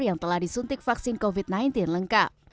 yang telah disuntik vaksin covid sembilan belas lengkap